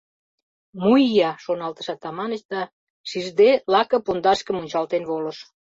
«Мо ия!» — шоналтыш Атаманыч да, шижде, лаке пундашке мунчалтен волыш.